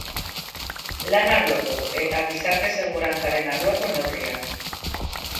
Lan-arloko eta Gizarte Segurantzaren arloko neurriak.